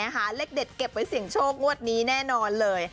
เลขเด็ดเก็บไว้เสี่ยงโชคงวดนี้แน่นอนเลย